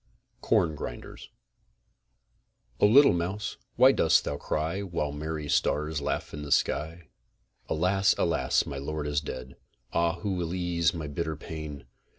CORN GRINDERS O LITTLE MOUSE, WHY DOST THOU CRY WHILE MERRY STARS LAUGH IN THE SKY? Alas! alas! my lord is dead! Ah, who will ease my bitter pain?